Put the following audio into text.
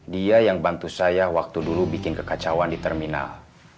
dia yang bantu saya waktu dulu bikin kekacauan di terminal